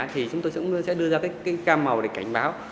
thì chúng tôi sẽ đưa ra cái cam màu để cảnh báo